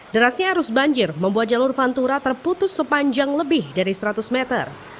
derasnya arus banjir membuat jalur pantura terputus sepanjang lebih dari seratus meter